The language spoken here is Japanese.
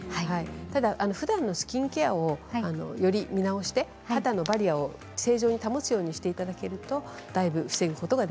ただ、ふだんのスキンケアをより見直して肌のバリアーを正常に保つようにしていただけるとだって。